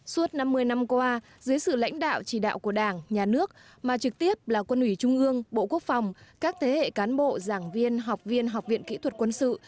suốt năm mươi năm qua dưới sự lãnh đạo chỉ đạo của đảng nhà nước mà trực tiếp là quân ủy trung ương bộ quốc phòng các thế hệ cán bộ giảng viên học viên học viện kỹ thuật quân sự